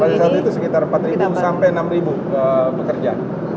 fase satu itu sekitar empat sampai enam bekerja